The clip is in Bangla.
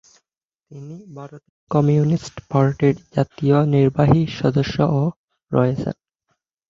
তিনি ভারতের কমিউনিস্ট পার্টির জাতীয় নির্বাহী সদস্যও রয়েছেন।